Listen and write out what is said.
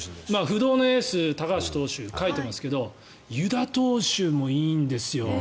不動のエース、高橋投手書いてますけど湯田投手もいいんですよ。